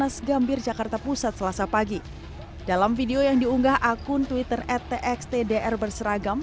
dan nas gambir jakarta pusat selasa pagi dalam video yang diunggah akun twitter at txtdr berseragam